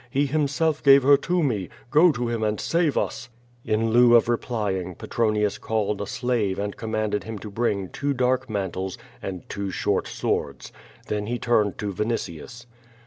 He himself gave her to me. Go to him and save us." In lieu of replying, Petronius called a slave and com manded him to bring two dark mantles and two short swords. Then he turned to Vinitius.